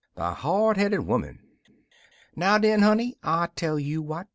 THE HARD HEADED IVOMAN Now, den, honey, I tell you what.